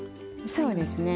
そうですね。